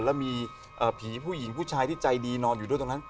แล้วมีผีผู้หญิงผู้ชายที่ใจดีนอนอยู่ด้วยตรงนั้น